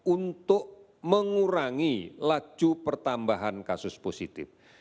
untuk mengurangi laju pertambahan kasus positif